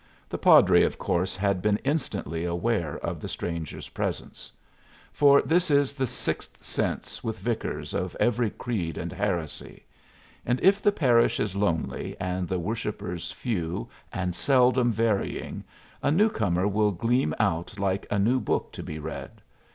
The padre, of course, had been instantly aware of the stranger's presence. For this is the sixth sense with vicars of every creed and heresy; and if the parish is lonely and the worshippers few and seldom varying, a newcomer will gleam out like a new book to be read.